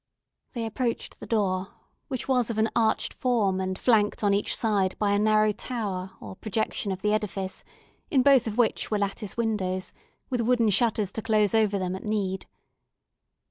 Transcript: They approached the door, which was of an arched form, and flanked on each side by a narrow tower or projection of the edifice, in both of which were lattice windows, the wooden shutters to close over them at need.